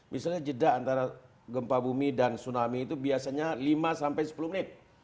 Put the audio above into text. misalnya jeda antara gempa bumi dan tsunami itu biasanya lima sampai sepuluh menit